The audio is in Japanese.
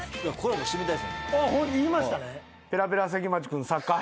言いましたね。